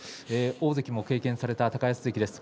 大関も経験された高安関です。